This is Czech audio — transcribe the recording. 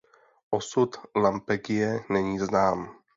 Osud Lampegie není znám.